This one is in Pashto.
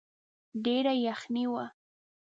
ډېره يخني وه.